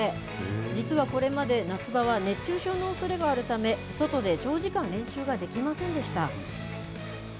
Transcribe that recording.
実はこれまで、夏場は熱中症のおそれがあるため、外で長時間、練習ができませんでした。